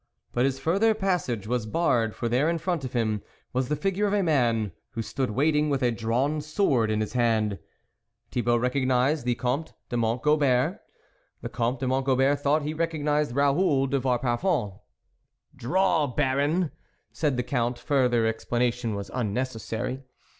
But his further passage was barred, for there in front of him was the figure of a man, who stood waiting, with a drawn sword in his hand. Thibault recognised the Comte de Mont Gobert, the Comte de Mont Gobert thought he recognised Raoul de Vauparfond. " Draw, Baron !" said the Count ; further explanation was unnecessary.